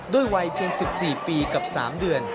วัยเพียง๑๔ปีกับ๓เดือน